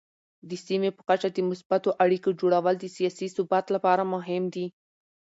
د سیمې په کچه د مثبتو اړیکو جوړول د سیاسي ثبات لپاره مهم دي.